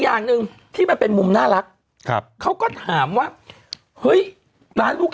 อย่างหนึ่งที่มันเป็นมุมน่ารักครับเขาก็ถามว่าเฮ้ยร้านลูก